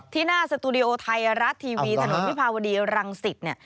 ที่หน้าสตูดีโอไทยรัสทีวีถนนพิพาวดีรังศิษย์